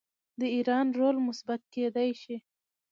د ایران رول مثبت کیدی شي.